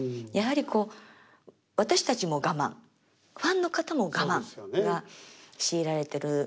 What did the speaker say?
やはりこう私たちも我慢ファンの方も我慢が強いられてる。